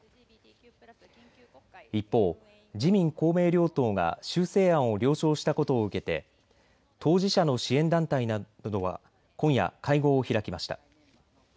一方、自民・公明両党が修正案を了承したことを受けて当事者の支援団体などは今夜会合を開きました。